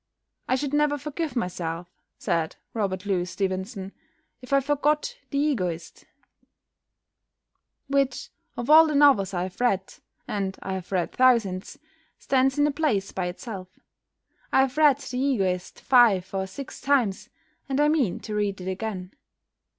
"I should never forgive myself," said Robert Louis Stevenson, "if I forgot 'The Egoist,' which, of all the novels I have read (and I have read thousands), stands in a place by itself. I have read 'The Egoist' five or six times, and I mean to read it again."